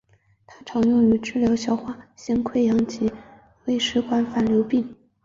它常用于治疗消化性溃疡以及胃食管反流病。